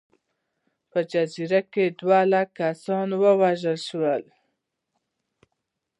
په الجزایر کې یې دوه لکه کسان ووژل.